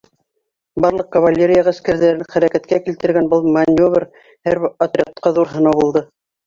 Барлыҡ кавалерия ғәскәрҙәрен хәрәкәткә килтергән был маневр һәр отрядҡа ҙур һынау булды.